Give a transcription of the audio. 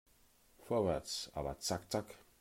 Vorwärts, aber zack zack!